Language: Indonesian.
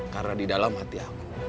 karena di dalam hati aku